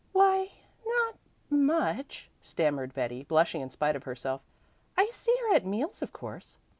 "Why no t much," stammered Betty, blushing in spite of herself. "I see her at meals of course."